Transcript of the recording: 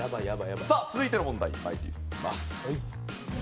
さあ続いての問題参ります。